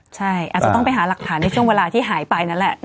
ใช่อาจจะต้องไปหาหลักฐานในช่วงเวลาที่หายไปนั่นแหละ